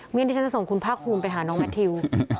เมื่อกี้ฉันจะส่งคุณพรรคภูมิไปหาน้องแม่ทิว